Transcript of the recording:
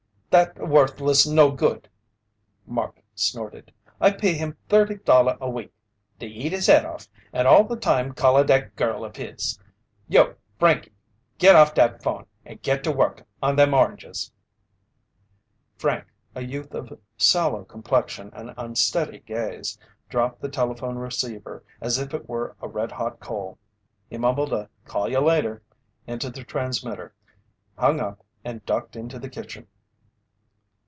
"That worthless no good!" Mark snorted. "I pay him thirty dolla a week to eat his head off and all the time calla dat girl of his! You, Frankey! Git off dat phone and git to work on them oranges!" Frank, a youth of sallow complexion and unsteady gaze, dropped the telephone receiver as if it were a red hot coal. He mumbled a "call you later," into the transmitter, hung up, and ducked into the kitchen.